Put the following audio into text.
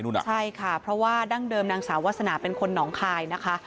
ใช่ค่ะเพราะว่าดั้งเดิมนางสาววาสนาเป็นคนหนองคายนะคะ